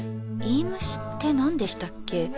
いいむしって何でしたっけ。